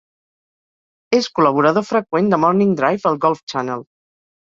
És col·laborador freqüent de "Morning Drive" al Golf Channel.